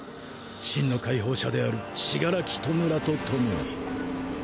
真の解放者である死柄木弔と共に。